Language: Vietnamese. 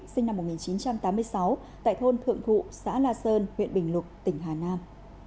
sinh năm một nghìn chín trăm tám mươi sáu tại thôn thượng thụ xã la sơn huyện bình lục tỉnh hà nam